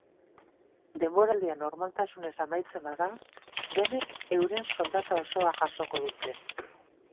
Denboraldia normaltasunez amaitzen bada denek euren soldata osoa jasoko dute.